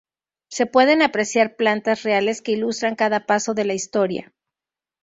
Se pueden apreciar plantas reales que ilustran cada paso de la historia.